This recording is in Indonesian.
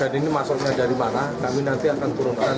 dan ini masuknya dari mana kami nanti akan turunkan